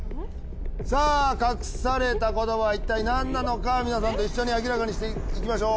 さあ隠された言葉はいったい何なのか皆さんと一緒に明らかにしていきましょう。